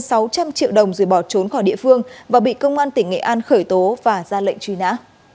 trung đã chiếm đoạt hơn sáu trăm linh triệu đồng rồi bỏ trốn khỏi địa phương và bị công an tỉnh nghệ an khởi tố và ra lệnh truy nã